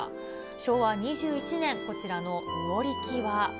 昭和２１年、こちらの魚力は。